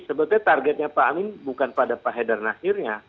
sebetulnya targetnya pak amin bukan pada pak haidar nasirnya